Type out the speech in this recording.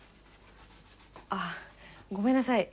あっごめんなさい。